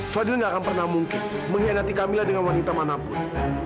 fadil gak akan pernah mungkin mengkhianati kamilah dengan wanita manapun